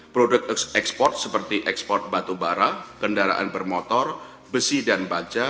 produk ekspor seperti ekspor batu bara kendaraan bermotor besi dan baja